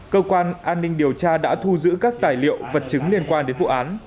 cơ quan an ninh điều tra đã thu giữ các tài liệu vật chứng liên quan đến vụ án